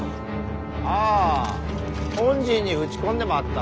あ本陣に撃ち込んでまった。